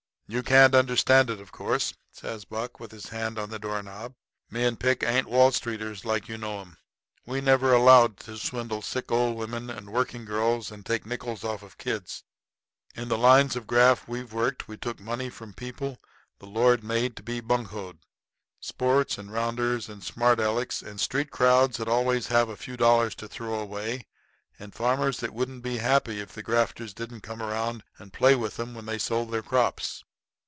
"You can't understand it, of course," says Buck, with his hand on the door knob. "Me and Pick ain't Wall Streeters like you know 'em. We never allowed to swindle sick old women and working girls and take nickels off of kids. In the lines of graft we've worked we took money from the people the Lord made to be buncoed sports and rounders and smart Alecks and street crowds, that always have a few dollars to throw away, and farmers that wouldn't ever be happy if the grafters didn't come around and play with 'em when they sold their crops.